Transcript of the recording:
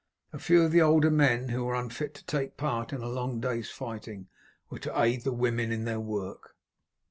A few of the older men who were unfit to take part in a long day's fighting were to aid the women in their work.